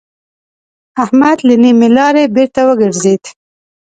احمد له نيمې لارې بېرته وګرځېد.